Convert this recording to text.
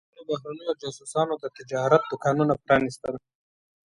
څو تنو بهرنیو جواسیسو د تجارت دوکانونه پرانیستل.